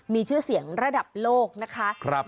มีชื่อเสียงระดับโลกนะคะ